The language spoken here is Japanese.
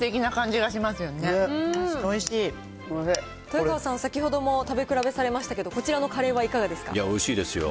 豊川さん、先ほども食べ比べされましたけど、こちらのカレーはいかがですかいや、おいしいですよ。